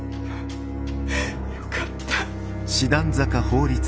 よかった。